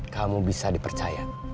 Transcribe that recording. kamu bisa dipercaya